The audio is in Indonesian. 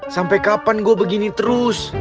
sampai kapan gue begini terus